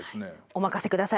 お任せください。